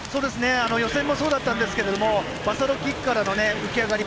予選もそうだったんですけどバサロキックからの浮き上がり。